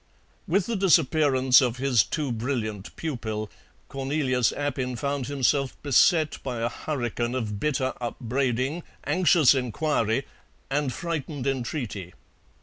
With the disappearance of his too brilliant pupil Cornelius Appin found himself beset by a hurricane of bitter upbraiding, anxious inquiry, and frightened entreaty.